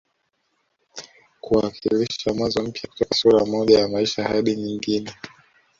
Kuwakilisha mwanzo mpya kutoka sura moja ya maisha hadi nyingine